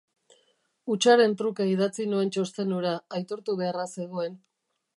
Hutsaren truke idatzi nuen txosten hura, aitortu beharra zegoen.